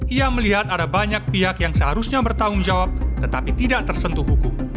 ia melihat ada banyak pihak yang seharusnya bertanggung jawab tetapi tidak tersentuh hukum